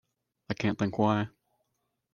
I can’t think why.